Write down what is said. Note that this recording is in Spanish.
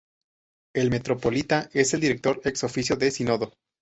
El Metropolita es el Director ex officio del Sínodo.